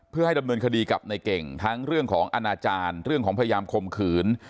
เพื่อให้ดำเนินคดีกับในเก่งทั้งเรื่องของอนาจารย์เรื่องของพยายามคมขืน